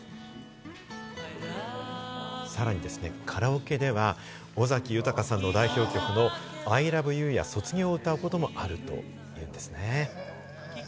さらにですね、カラオケでは尾崎豊さんの代表曲の『ＩＬＯＶＥＹＯＵ』や『卒業』を歌うこともあるというんですね。